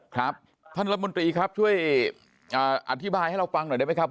ครับท่านรัฐมนตรีครับช่วยอธิบายให้เราฟังหน่อยได้ไหมครับ